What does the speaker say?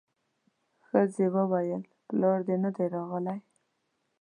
ښځې وويل پلار دې نه دی راغلی.